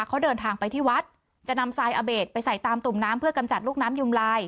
เขาเดินทางไปที่วัดจะนำทรายอเบศไปใส่ตามตุ่มน้ำเพื่อกำจัดลูกน้ำยุงลาย